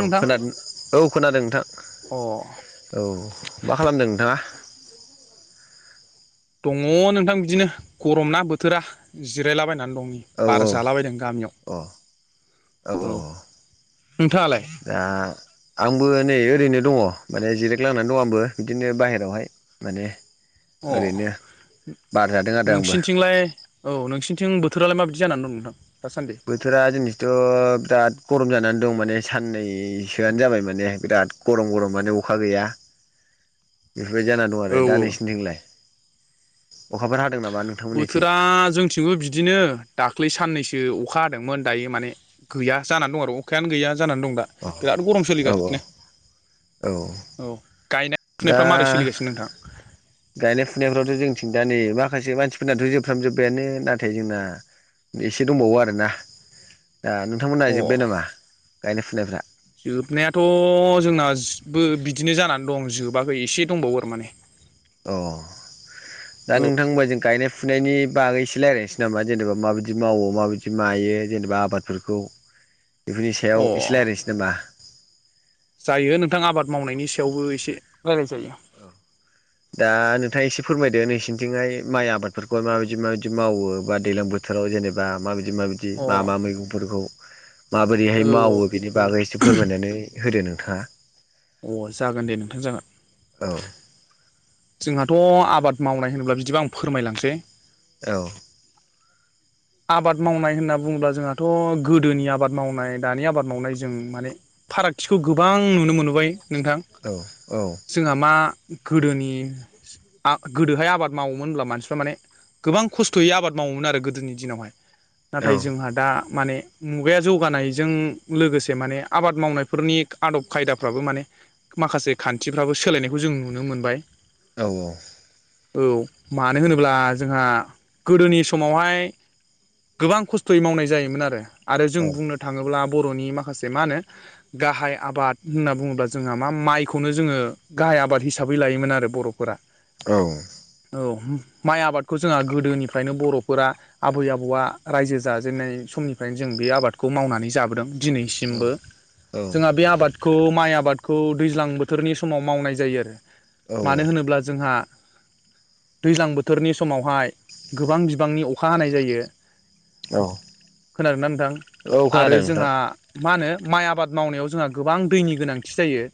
औ नोंथां खोनादों औ खोनादों नोंथां। अ औ मा खालामदों नोंथाङा? दङ नोंथां बिदिनो गरम ना बोथोरा जिरायलाबायनानै दं। औ बार जालाबायदों गामियाव। अ औ औ औ नोंथाङालाय? ओ दा आंबो नै ओरैनो दङ माने जिराय गालांनानै दं आंबो बिदिनो बाहेरायावहाय। माने अ ओरैनो बार जादों आरो आंबो नोंसिनिथिंलाय औ नोंसिनिथिं बोथोरालाय माबायदि जानानै दं नोंथां दासान्दे? बोथोरा दिनैथ बिराद गरम जानानै दं माने साननैसोआनो जाबाय माने बिराद गरम गरम माने अखा गैया बेफोरबायदि जानानै दं औ आरो औ नोंनिथिंलाय अखाफोर हादों नामा नों बोथोरा जोंथिंबो बिदिनो दाख्लै साननैसो अखा हादोंमोन दायो माने गैया जानानै दं आरो अखायानो गैया जानानै दं दा। अ बिराद गरम औ सोलिगासिनो औ गायनाय दा फुनायफ्रा मारै सोलिगासिनो नोंथां गायनाय फुनायफ्रावथ जोंथिं दा नै माखासे मानसिफोरनाथ जोबफ्रामजोब्बायानो नाथाय जोंना एसे दंबावो आरोना दा नोंथांमोन अ नायजोब्बाय नामा गायनाय फुनायफ्रा? जोबनायाथ जोंनाबो बिदिनो जानानै दं जोबाखै एसे दंबावो आरो माने अ औ दा औ नोंथां होनबा जों गायनाय फुनायनि बागै एसे रायज्लायनोसै नामा जेनेबा माबदि मावो माबायदि मायो जेनेबा आबाद फोरखौ बेफोरनि अ सायाव एसे रायज्लायनोसै नामा। जायो नोंथां आबाद मावनायनि सायावबो एसे रायलाय जायो। औ दा नोंथाङा एसे फोरमायदो नोंसिनिथिंहाय माइ आबादफोरखौ माबायदि माबायदि मावो बा दैजलां बो थोराव जेनेबा माबायदि माबायदि अ मा मा औ मैगंफोरखौ माबोरैहाय मावो। औ बिनि बागै एसे फोरमायनानै होदो नोंथाङा। अ जागोन दे नोंथां जागोन। औ जोंहाथ आबाद मावनाय होनोब्ला बिदिब आं फोरमाय लांसै। औ आबाद मावनाय होनना बुङोब्ला जोंहाथ गोदोनि आबाद मावनाय दानि आबाद मावनाय जों माने फारागथिखौ गोबां नुनो मोनबाय नोंथां। औ औ जोंहा मा गोदोनि आ गोदोहाय आबाद मावोमोन होनब्ला मानसिफ्रा माने गोबां खस्थयै आबाद मावोमोन आरो गोदोनि दिनावहाय नाथाय जोंहा दा माने मुगाया जौगानायजों लोगोसे माने आबाद मावनायफोरनि आदब खायदाफ्राबो माने माखासे खान्थिफ्राबो सोलायनायखौ जों मोनबाय। औ औ औ मानो होनोब्ला जोंहा गोदोनि समावहाय गोबां खस्थयै मावनाय जायोमोन आरो आरो जों बुंनो थाङोब्ला बर'नि माखासे माहोनो गाहाय आबाद होनना बुङोब्ला जोंहा मा माइखौनो जोङो गाहाय आबाद हिसाबै लायोमोन आरो बरफोरा औ औ मा आबादखौ जोंहा गोदोनिफ्रायनो बरफोरा आबै आबौआ रायजो जाजेननाय समनिफ्रायनो जों बे आबादखौ मावनानै जाबोदों दिनैसिमबो जोंहा बे आबाद खौ माइ आबादखौ दैज्लां बोथोरनि समाव मावनाय जायो आरो औ मानो ओं होनोब्ला जोंहा दैज्लां बोथोरनि समावहाय गोबां बिबांनि अ अखा हानाय जायो औ खोनादोंना नोंथां औ आरो खोनादों नोंथां जोंहा मा होनो माइ आबाद मावनायाव जोंहा गोबां दैनि गोनांथि जायो।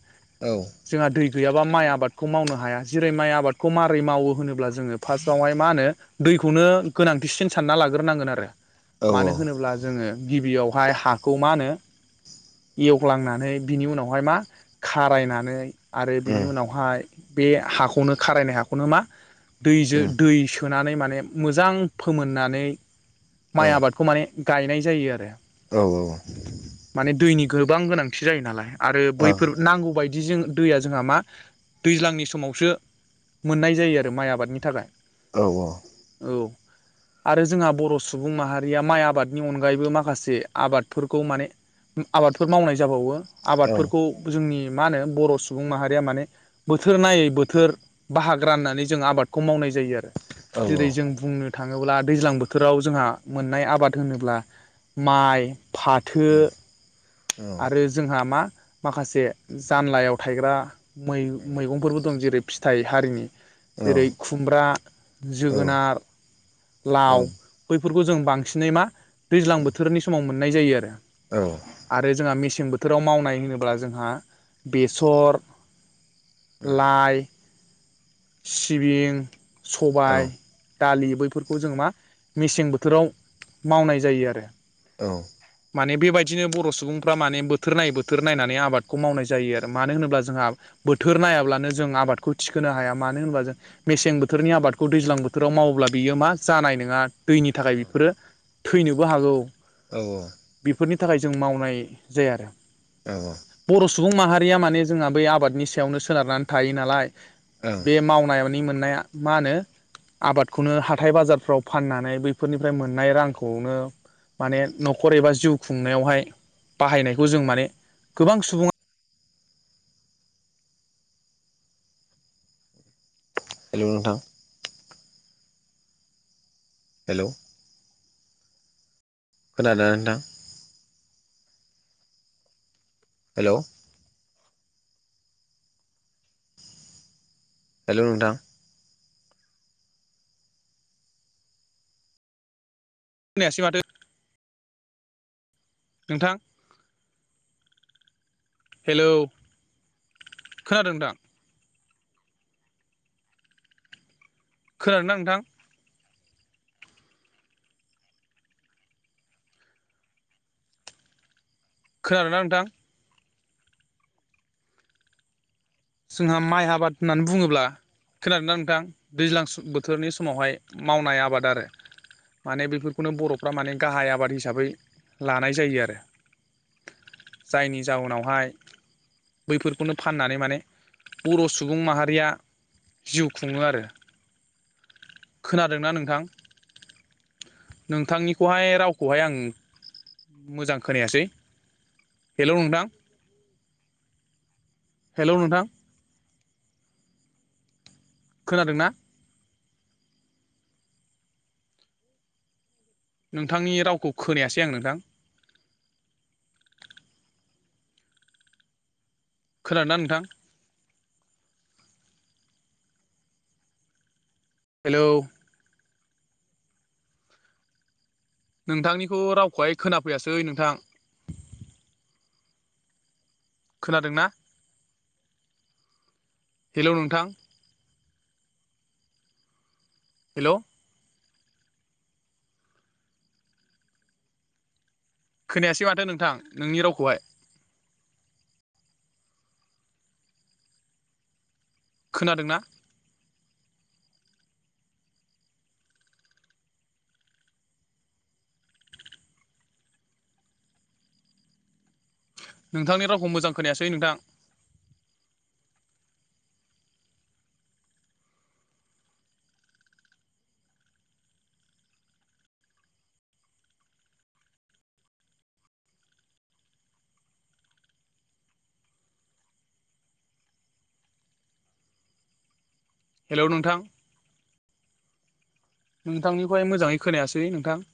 औ जोंहा दै गैयाबा माइ आबादखौ मावनो हाया जेरै माइ आबादखौ मारै मावो होनोब्ला जों जोङो फार्स्टआवहाय मा होनो दैखौनो गोनांथिसिन सानना लाग्रोनांगोन आरो औ उम औ मानो होनोब्ला जोङो गिबियावहाय हाखौ मा होनो एवग्लांनानै बिनि उनावहाय मा खारायनानै आरो बिनि उनावहाय बे हाखौनो खारायनाय हाखौनो मा दै जो उम दै सोनानै माने मोजां फोमोननानै औ माइ आबादखौ माने गायनाय जायो आरो औ औ औ माने दैनि गोबां गोनांथि जायो नालाय आरो बैफोर नांगौ बायदि बिदि जों दैया जोंहा मा दैज्लांनि समावसो मोननाय जायो आरो माइ थाखाय औ औ अ औ आरो जोंहा बर' सुबुं माहारिया माइ आबादनि अनगायैबो माखासे आबादफोरखौ माने आबादफोर मावनाय जाबावो आबादफोरखौ जोंनि मा होनो बर' सुबुं माहारिया माने बोथोर नायै बोथोर बाहाग राननानै जों आबादखौ मावनाय जायो आरो औ जेरै औ जों बुंनो थाङोब्ला दैज्लां बोथोराव जोंहा मोननाय आबाद होनोब्ला माइ फाथो ओं आरो जोंहा मा माखासे जानलायाव थायग्रा मै मैगंफोरबो दं जेरै फिथाइ हारिनि जेरै खुमब्रा जोगोनार लाव बैफोरखौ जों बांसिनै मा दैज्लां बोथोरनि समाव मोननाय जायो आरो औ आरो जोंहा मेसें बोथोराव मावनाय होनोब्ला जोंहा बेसर लाइ सिबिं सबाय दालि बैफोरखौ जों मा मेसें बोथोराव मावनाय जायो आरो औ माने बेबायदिनो बर' सुबुं सुबुंफ्रा माने बोथोर नायै बोथोर नायनानै आबादखौ मावनाय जायो आरो मानो होनोब्ला जोंहा बोथोर नायाब्लानो जों आबादखौ थिखोनो हाया मानो होनबा जों मेसें बोथोरनि आबादखौ दैज्लां बोथोराव मावोब्ला बियो मा जानाय नङा दैनि थाखाय बेफोरो थैनोबो हागौ औ-औ बेफोरनि थाखाय जों मावनाय जाया आरो औ औ बर' सुबुं माहारिया माने जोंहा बै आबादनि सायावनो सोनारनानै थायो नालाय बे मावनानै मोननाय मा होनो? आबादखौनो हाथाय बाजारफ्राव फाननानै बैफोरनिफ्राय मोननाय रांखौनो माने नखर एबा जिउ खुंनायावहाय बाहायनायखौ जों माने गोबां सुबुङा हेल' नोंथां। हेलौ खोनादोना नोंथां? हेलौ हेल' नोंथां। खोनायासै माथो। नोंथां। हेलौ खोनादों नोंथां। खोनादोंना नोंथां? खोनादोंना नोंथां? जोंहा माइ आबाद होननानै बुङोब्ला खोनादोंना नोंथां दैज्लां बोथोरनि समावहाय मावनाय आबाद आरो माने बेफोरखौनो बर'फ्रा माने गाहाय आबाद हिसाबै लानाय जायो आरो। जायनि जाउनावहाय बैफोरखौनो फाननानै माने बर' सुबुं माहारिया जिउ खुङो आरो। खोनादोंना नोंथां? नोंथांनिखौहाय रावखौहाय आं मोजां खोनायासै? हेलौ नोंथां हेलौ नोंथां खोनादोंना? नोंथांनि रावखौ खोनायासै आं नोंथां। खोनादोंना नोंथां? हेलौ नोंथांनिखौ रावखौहाय खोनाफैयासै नोंथां। खोनादोंना हेलौ नोंथां? हेलौ खोनायासै माथो नोंथां नोंनि रावखौहाय? खोनादोंना? नोंथांनि रावखौ मोजां खोनायासै नोंथां? हेलौ नोंथां। नोंथांनिखौहाय मोजाङै खोनायासै नोंथां।